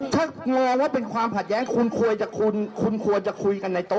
เพราะตอนนี้เงื่อนไขและจุดยืนของพักเพื่อไทยก็ยังคงเหมือนเดิมค่ะ